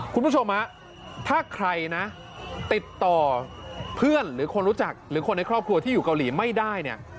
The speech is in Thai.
คุณผู้ชมฮะถ้าใครนะติดต่อเพื่อนหรือคนรู้จักหรือคนในครอบครัวที่อยู่เกาหลีไม่ได้เนี่ย